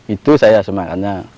itu saya semangatnya